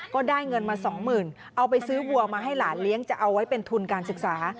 ก็ได้เงินมาสองหมื่นเอาไปซื้อวัวมาให้หลานเลี้ยงจะเอาไว้เป็นทุนการศึกษา